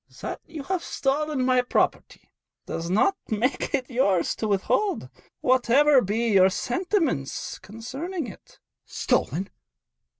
'That you have stolen my property does not make it yours to withhold, whatever may be your sentiments concerning it.' '"Stolen!"